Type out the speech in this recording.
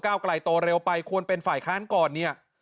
ก้าวไกลโตเร็วไปควรเป็นฝ่ายค้านก่อน